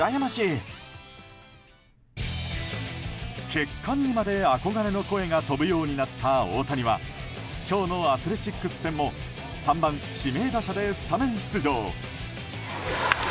血管にまで憧れの声が飛ぶようになった大谷は今日のアスレチックス戦も３番指名打者でスタメン出場。